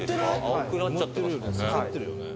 「青くなっちゃってますもんね」